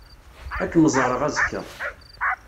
Ad kem-ẓreɣ azekka.